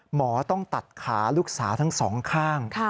หมอต้องตัดขาลูกสาวทั้งสองข้าง